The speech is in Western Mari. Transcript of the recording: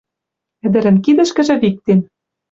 Ӹдӹрӹн кидӹшкӹжӹ виктен